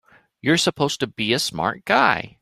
You're supposed to be a smart guy!